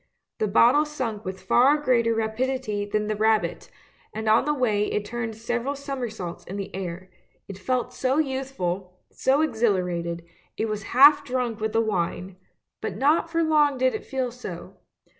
The bottle sank with far greater rapidity than the rabbit, and on the way it turned several somersaults in the air; it felt so youthful, so exhilarated — it was half drunk with the wine — but not for long did it feel so.